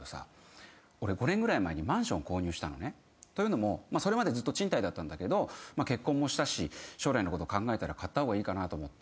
俺５年ぐらい前にマンションを購入したのね。というのもそれまでずっと賃貸だったんだけど結婚もしたし将来のことを考えたら買った方がいいかなと思って。